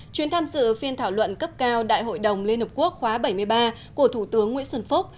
chuyến tham dự phiên thảo luận cấp cao đại hội đồng liên hợp quốc khóa bảy mươi ba của thủ tướng nguyễn xuân phúc